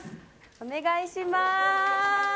お願いします。